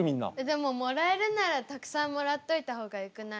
でももらえるんならたくさんもらっといた方がよくない？